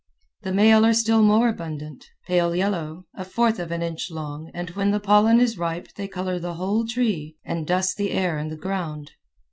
The male are still more abundant, pale yellow, a fourth of an inch long and when the pollen is ripe they color the whole tree and dust the air and the ground.